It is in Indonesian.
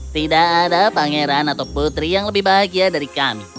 tidak ada pangeran atau putri yang lebih bahagia dari kami